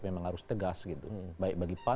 memang harus tegas gitu